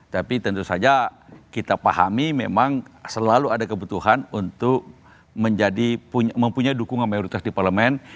tapi tentu saja kita pahami memang selalu ada kebutuhan untuk menjadi mempunyai dukungan mayoritas di parlemen